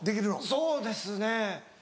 そうですね。